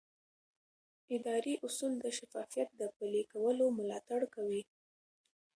اداري اصول د شفافیت د پلي کولو ملاتړ کوي.